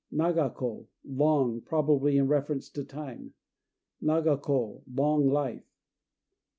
Naga ko "Long," probably in reference to time. Naga ko "Long Life."